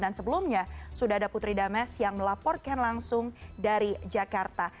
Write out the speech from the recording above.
dan sebelumnya sudah ada putri dames yang melaporkan langsung dari jakarta